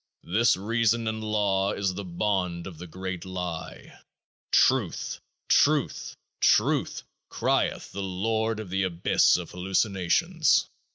This Reason and Law is the Bond of the Great Lie. Truth ! Truth ! Truth ! crieth the Lord of the Abyss of Hallucinations.